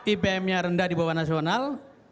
ipm nya rendah di bawah nasional